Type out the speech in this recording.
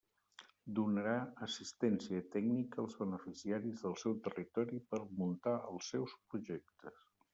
Donarà assistència tècnica als beneficiaris del seu territori per muntar els seus projectes.